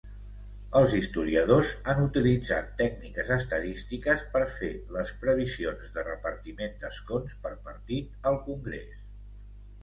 Els historiadors han utilitzat tècniques estadístiques per fer les previsions de repartiment d'escons per partit al congrés.